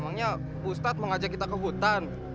emangnya bu ustadz mau ngajak kita ke hutan